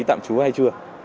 chạm chú hay chưa